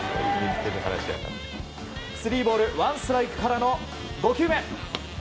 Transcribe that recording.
スリーボールワンストライクからの５球目。